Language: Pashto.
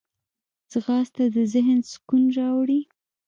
ځغاسته د ذهن سکون راوړي